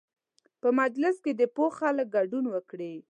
په مجلس کې دې پوه خلک ګډون وکړي.